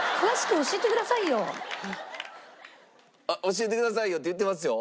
「教えてくださいよ」って言ってますよ。